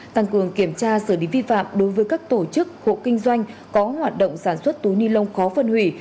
tăng cường kiểm tra xử lý vi phạm đối với các tổ chức hộ kinh doanh có hoạt động sản xuất túi ni lông khó phân hủy